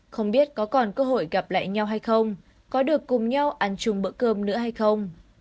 không biết có còn cơ hội gặp lại nhau hay không có được cùng nhau ăn chung bữa cơm nữa hay không